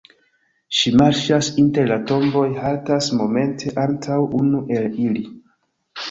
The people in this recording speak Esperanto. Ŝi marŝas inter la tomboj, haltas momente antaŭ unu el ili.